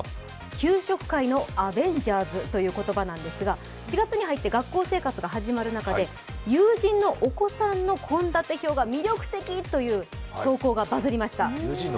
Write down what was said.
給食界のアベンジャーズという言葉なんですが４月に入って学校生活が始まる中で友人のお子さんの献立表が魅力的という投稿がバズりました。